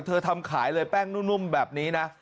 ทำขายเลยแป้งนุ่มแบบนี้นะ